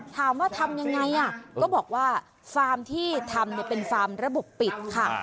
ทำยังไงก็บอกว่าฟาร์มที่ทำเป็นฟาร์มระบบปิดค่ะ